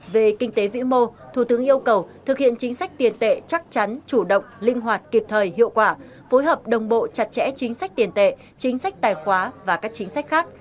về kinh tế vĩ mô thủ tướng yêu cầu thực hiện chính sách tiền tệ chắc chắn chủ động linh hoạt kịp thời hiệu quả phối hợp đồng bộ chặt chẽ chính sách tiền tệ chính sách tài khoá và các chính sách khác